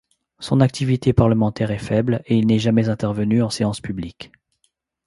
Son activité parlementaire est faible et il n'est jamais intervenu en séance publique.